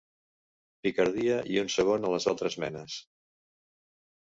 Picardia i un segon a les altres menes.